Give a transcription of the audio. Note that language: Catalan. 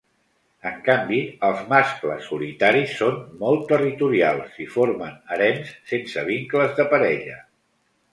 En canvi, els mascles solitaris són molt territorials i formen harems sense vincles de parella.